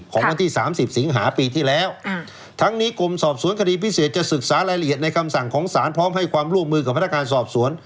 วันที่๓๐สิงหาปีที่แล้วทั้งนี้กรมสอบสวนคดีพิเศษจะศึกษารายละเอียดในคำสั่งของสารพร้อมให้ความร่วมมือกับพนักงานสอบสวน